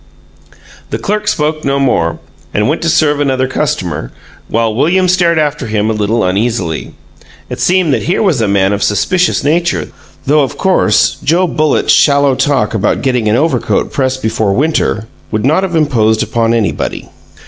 The clerk spoke no more, and went to serve another customer, while William stared after him a little uneasily. It seemed that here was a man of suspicious nature, though, of course, Joe Bullitt's shallow talk about getting an overcoat pressed before winter would not have imposed upon anybody.